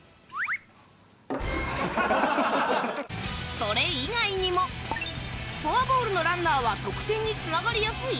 それ以外にも、フォアボールのランナーは得点につながりやすい？